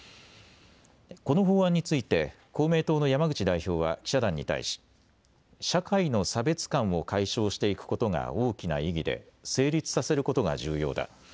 この法案について公明党の山口代表は記者団に対し社会の差別感を解消していくことが大きな意義で成立させることが重要だ。